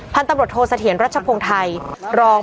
พนธมรวจโทสะเถียลรัชภง